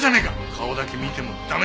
顔だけ見ても駄目だ。